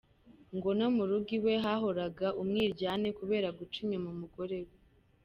Ngo no mu rugo iwe hahoraga umwiryane kubera guca inyuma umugore we.